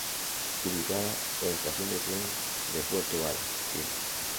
Ubicada en Estación de tren de Puerto Varas, Chile.